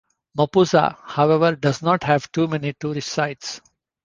Mapusa, however, does not have too many tourist sites.